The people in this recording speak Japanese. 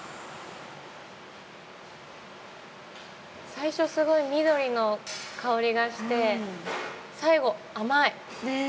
最初すごい緑の香りがして最後甘い。